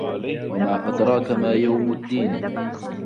وَما أَدراكَ ما يَومُ الدّينِ